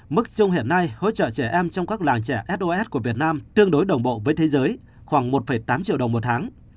mức chung hiện nay hỗ trợ trẻ em trong các làng trẻ sos của việt nam tương đối đồng bộ với thế giới khoảng một tám triệu đồng một tháng